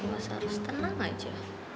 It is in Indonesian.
mas harus tenang aja